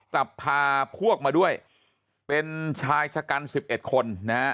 กลับพาพวกมาด้วยเป็นชายชะกัน๑๑คนนะฮะ